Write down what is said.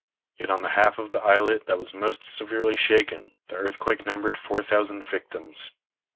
Yet on the half of the islet that was most severely shaken the earthquake numbered four thousand victims.